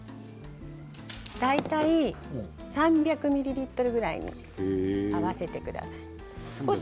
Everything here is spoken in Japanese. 大体３００ミリリットルぐらいに合わせてください。